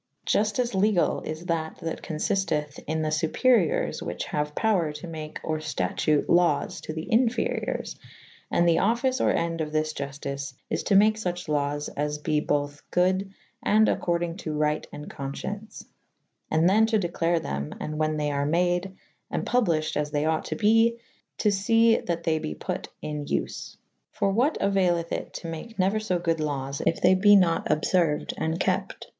Juftyce legall / is that / that confifteth in the fuperyours whiche haue power to make or ftatute lawes to the inferiours / and the offyce or ende of thys Juftyce is to make fuche lawes as be bothe good and accordynge to ryght and confcience / and then to declare them / and whew they are made and publyffhed as they ought to be / to fe that they be put in vre. For what auayleth it to make neuer fo good lawes if they be nat obferuyd and kepte.